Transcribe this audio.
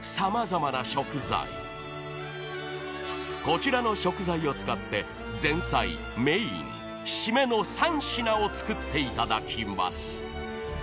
［こちらの食材を使って前菜メイン締めの３品を作っていただきます］